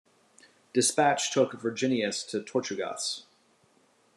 "Despatch" took "Virginius" to Tortugas.